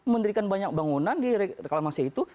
mendirikan banyak bangunan di reklamasi itu